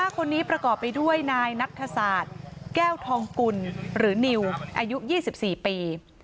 คนนี้ประกอบไปด้วยนายนัทศาสตร์แก้วทองกุลหรือนิวอายุ๒๔ปี